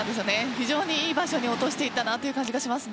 非常にいい場所に落としていたなという感じがします。